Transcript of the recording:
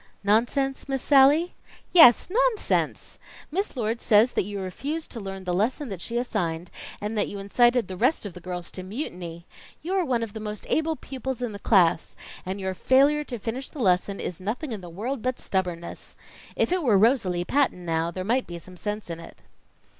"Nonsense, Miss Sallie?" "Yes, nonsense! Miss Lord says that you refused to learn the lesson that she assigned, and that you incited the rest of the girls to mutiny. You are one of the most able pupils in the class, and your failure to finish the lesson is nothing in the world but stubbornness. If it were Rosalie Patton now, there might be some sense in it."